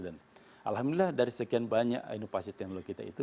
dan alhamdulillah dari sekian banyak inovasi teknologi kita itu